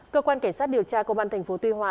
cơ quan cảnh sát điều tra công an thành phố tuy hòa